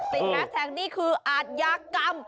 ติดแพทย์แทงนี้คืออาชญากรรม